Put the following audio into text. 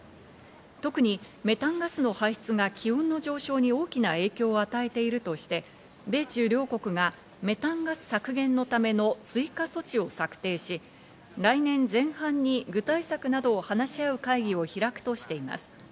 特にメタンガスの排出が気温の上昇に大きな影響を与えているとして、米中両国がメタンガス削減のための追加措置を策定し、来年前半に具体策などを話し合う会議を開くとしています。